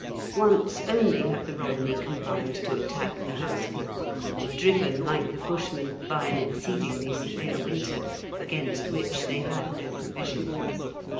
Once only have the Romany combined to attack the house people, driven, like the Bushmen, by an exceedingly severe winter, against which they had no provision.